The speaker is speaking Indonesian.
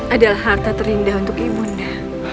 adalah harta terindah untuk ibu nanda